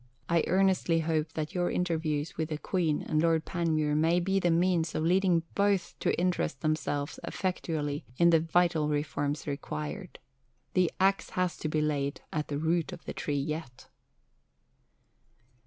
I earnestly hope that your interviews with the Queen and Lord Panmure may be the means of leading both to interest themselves effectually in the vital reforms required. The axe has to be laid to the root of the tree yet.